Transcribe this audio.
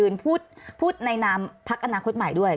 สิ่งที่ประชาชนอยากจะฟัง